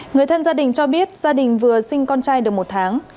người thân gia đình cho biết gia đình vừa sinh con trai được một tháng